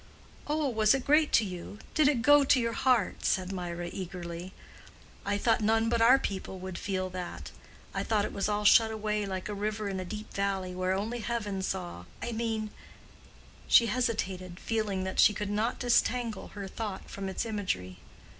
"Oh, was it great to you? Did it go to your heart?" said Mirah, eagerly. "I thought none but our people would feel that. I thought it was all shut away like a river in a deep valley, where only heaven saw—I mean—" she hesitated, feeling that she could not disentangle her thought from its imagery.